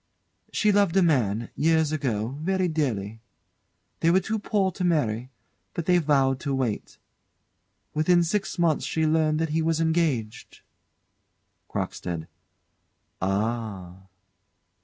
She loved a man, years ago, very dearly. They were too poor to marry, but they vowed to wait. Within six months she learned that he was engaged. CROCKSTEAD. Ah!